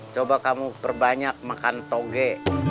coba kamu perbanyak makan toge